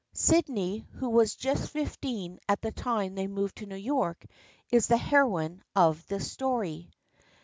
Sydney who was just fifteen at the time they moved to New York, is the heroine of this story.